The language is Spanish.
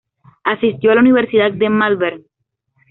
Asistió a la Universidad de Malvern.